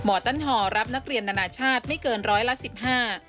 หมอตั้นฮอร์รับนักเรียนนานาชาติไม่เกินร้อยละ๑๕